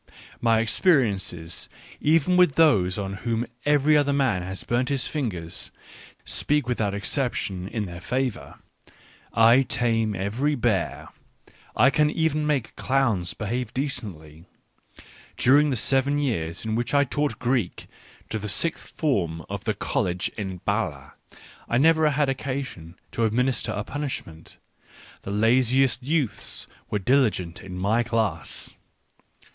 ... My experiences even with those on whom every other man has burnt his fingers, speak without ex ception in their favour ; I tame every bear, I can make even clowns behave decently. During the seven years in which I taught Greek to the sixth form of the College at B&le, I never had occasion to administer a punishment ; the laziest youths were diligent in my class.